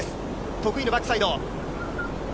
得意のバックサイド。